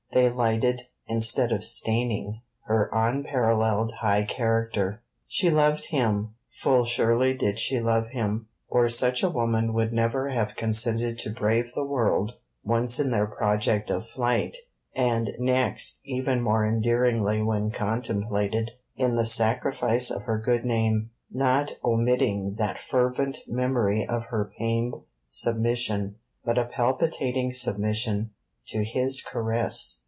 They lighted, instead of staining, her unparalleled high character. She loved him. Full surely did she love him, or such a woman would never have consented to brave the world; once in their project of flight, and next, even more endearingly when contemplated, in the sacrifice of her good name; not omitting that fervent memory of her pained submission, but a palpitating submission, to his caress.